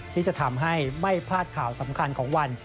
ที่จะทำให้ไม่พลาดข่าวสำคัญของวัน